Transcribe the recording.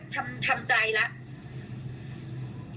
ทำใจแล้ว